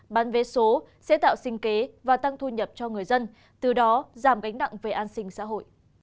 bán vé số sẽ tạo sinh kế và tăng thu nhập cho người dân từ đó giảm gánh nặng về an sinh xã hội